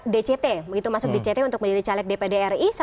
dct begitu masuk dct untuk menjadi caleg dpdri